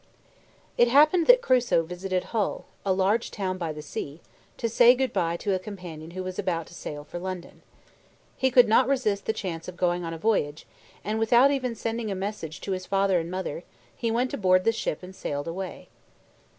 It happened that Crusoe visited Hull, a large town by the sea, to say good by to a companion who was about to sail for London. He could not resist the chance of going on a voyage, and without even sending a message to his father and mother, he went aboard the ship and sailed away.